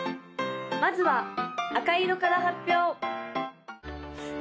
まずは赤色から発表！